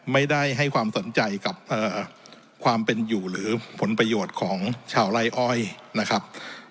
ไม่ได้ให้ความสนใจกับความเป็นอยู่หรือผลประโยชน์ของชาวไล่อ้อยนะครับ